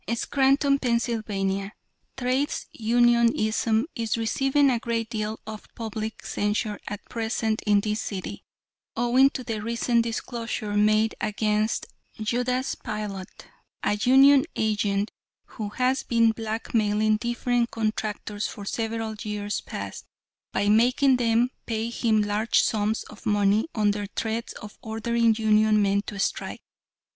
"Scranton, Pa.: Trades Unionism is receiving a great deal of public censure at present in this city, owing to the recent disclosure made against Judas Pilate, a union agent, who has been blackmailing different contractors for several years past, by making them pay him large sums of money, under threats of ordering union men to strike.